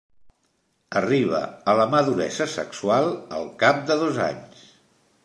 Arriba a la maduresa sexual al cap de dos anys.